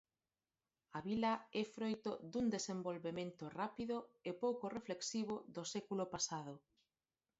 A vila é froito dun desenvolvemento rápido e pouco reflexivo do século pasado.